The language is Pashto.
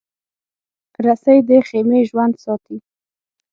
رسۍ د خېمې ژوند ساتي.